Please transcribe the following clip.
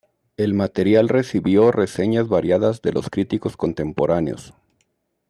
El material recibió reseñas variadas de los críticos contemporáneos.